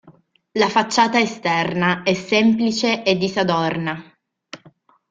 La facciata esterna è semplice e disadorna.